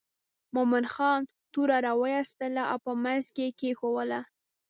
مومن خان توره را وایستله او په منځ یې کېښووله.